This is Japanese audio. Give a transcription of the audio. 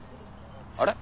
あれ？